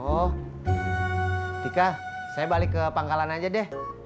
oh dika saya balik ke pangkalan aja deh